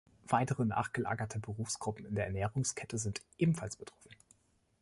Weitere nachgelagerte Berufsgruppen in der Ernährungskette sind ebenfalls betroffen.